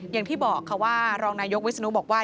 อย่างที่บอกค่ะว่ารองนายกวิศนุบอกว่า